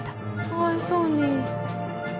かわいそうに。